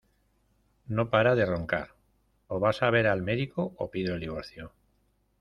No para de roncar: o vas a ver al médico o pido el divorcio.